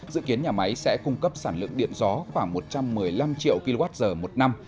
dự kiến nhà máy sẽ cung cấp sản lượng điện gió khoảng một trăm một mươi năm triệu kwh một năm